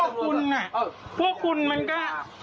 คุณพวกคุณมันก็